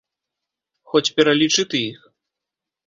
Хоць пералічы ты іх.